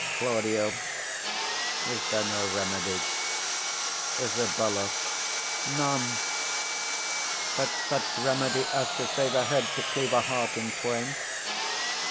Claud. Is there no remedy? Isab. None, but such remedy as, to save a head, To cleave a heart in twain.